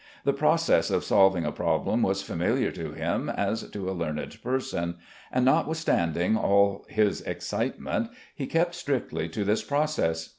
The process of solving a problem was familiar to him as to a learned person; and notwithstanding all his excitement he kept strictly to this process.